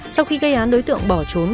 sau khi gây án đối tượng bỏ trốn